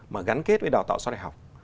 mà gắn kết với đào tạo sau đại học